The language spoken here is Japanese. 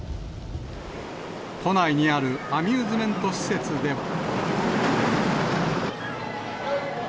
都内にあるアミューズメント施設では。